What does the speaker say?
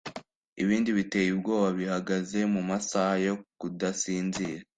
Ibindi biteye ubwoba bihagaze mumasaha yo kudasinzira